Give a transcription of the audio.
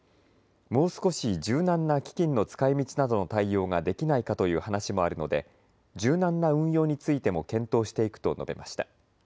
もう少し柔軟な基金の使いみちなどの対応ができないかという話もあるので柔軟な運用についても検討していくと述べました。